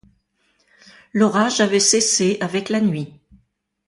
L’orage avait cessé avec la nuit.